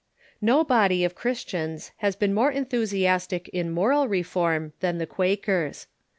No body of Christians has been more enthusiastic in moral reform than the Quakers.